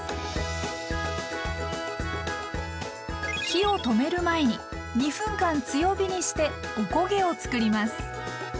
火を止める前に２分間強火にしておこげをつくります。